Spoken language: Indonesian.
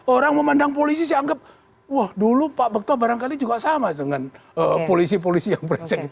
orang memandang polisi saya anggap wah dulu pak bekto barangkali juga sama dengan polisi polisi yang berecek